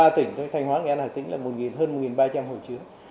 ba tỉnh thành hóa nghệ an hải tĩnh là hơn một ba trăm linh hồ chứa